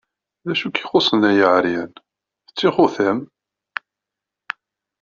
D acu i k-ixuṣṣen ay aεeryan? D tixutam!